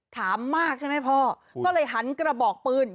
ถามมากใช่ไหมพ่อก็เลยหันกระบอกปืน